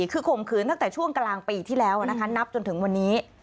คือข่มขืนตั้งแต่ช่วงกลางปีที่แล้วนะคะนับจนถึงวันนี้